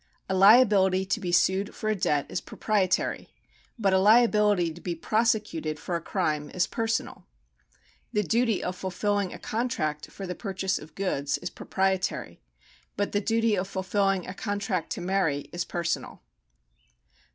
A liability to be sued for a debt is proprietary, but a liability to be prosecuted for a crime is personal. The duty of fulfilling a contract for the purchase of goods is proprietary, but the duty of fulfilling a contract to marry is personal.